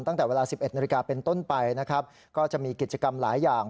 ตั้งแต่เวลา๑๑นาฬิกาเป็นต้นไปนะครับก็จะมีกิจกรรมหลายอย่าง